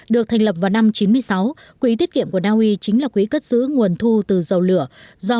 được thành lập vào năm một nghìn chín trăm chín mươi sáu quỹ tiết kiệm của naui chính là quỹ cất giữ nguồn thu từ dầu lửa do